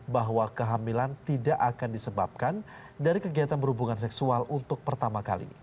bahwa kehamilan tidak akan disebabkan dari kegiatan berhubungan seksual untuk pertama kali